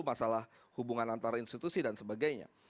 masalah hubungan antara institusi dan sebagainya